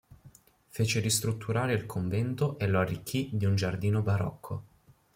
Fece ristrutturare il convento e lo arricchì di un giardino barocco.